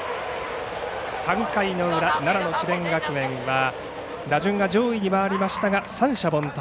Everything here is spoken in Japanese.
３回の裏、奈良の智弁学園打順が上位に回りましたが三者凡退。